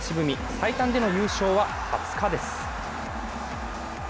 最短での優勝は２０日です。